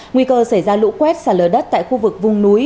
nguy cơ xảy ra lũ quét xả lở đất tại khu vực vùng núi